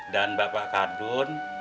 dan bapak kadun